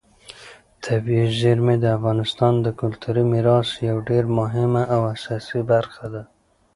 طبیعي زیرمې د افغانستان د کلتوري میراث یوه ډېره مهمه او اساسي برخه ده.